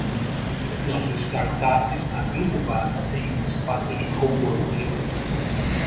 Nossa startup está incubada em um espaço de coworking.